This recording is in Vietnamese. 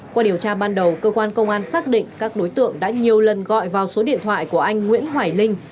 qua điều tra ban đầu cơ quan công an xác định các đối tượng đã nhiều lần gọi vào số điện thoại của anh nguyễn hoài linh